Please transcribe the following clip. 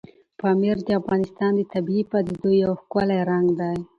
پامیر د افغانستان د طبیعي پدیدو یو ښکلی رنګ دی.